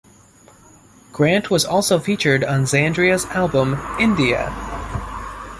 Grant was also featured on Xandria's album "India".